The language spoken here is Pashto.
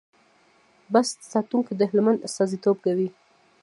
بست ساتونکي د هلمند استازیتوب کوي.